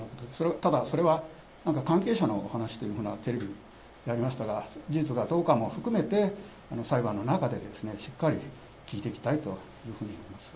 ただそれは、関係者のお話というふうにテレビでありましたが、事実かどうかも含めて、裁判の中でしっかり聞いていきたいというふうに思います。